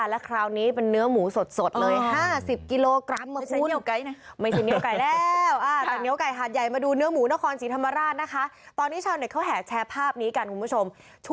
แล้วคราวนี้เป็นเนื้อหมูสดเลยห้าสิบกิโลกรัม